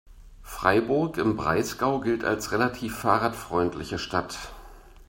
Freiburg im Breisgau gilt als relativ fahrradfreundliche Stadt.